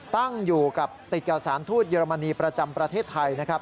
ตั้งอยู่กับติดกับสารทูตเยอรมนีประจำประเทศไทยนะครับ